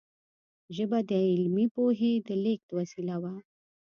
ژبه د علمي پوهې د لېږد وسیله وه.